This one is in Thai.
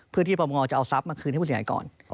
เพื่อที่ประมงจะเอาทรัพย์มาคืนให้ผู้เสียหายก่อน